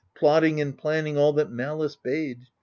Plotting and planning all that malice bade.